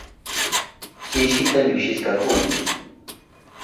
Chisita llukshishkakuna.